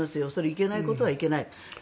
いけないことはいけない。